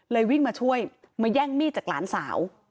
วิ่งมาช่วยมาแย่งมีดจากหลานสาว